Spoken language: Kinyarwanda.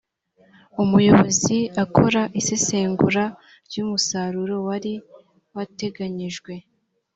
umuyobozi akora isesengura ry umusaruro wari wateganyijwe